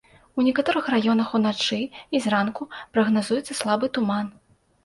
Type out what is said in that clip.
У некаторых раёнах уначы і зранку прагназуецца слабы туман.